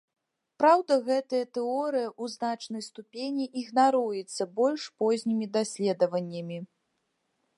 Праўда гэтая тэорыя ў значнай ступені ігнаруецца больш познімі даследаваннямі.